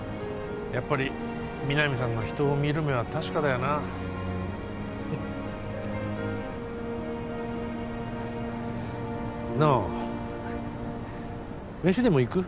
やっぱり皆実さんの人を見る目は確かだよななあ飯でも行く？